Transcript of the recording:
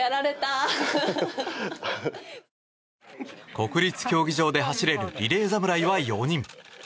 国立競技場で走れるリレー侍は４人。